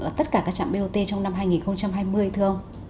ở tất cả các trạm bot trong năm hai nghìn hai mươi thưa ông